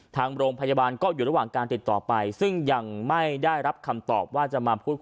ทางโรงพยาบาลก็อยู่ระหว่างการติดต่อไปซึ่งยังไม่ได้รับคำตอบว่าจะมาพูดคุย